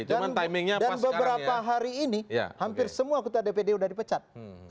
dan beberapa hari ini hampir semua ketua dpd sudah dipecat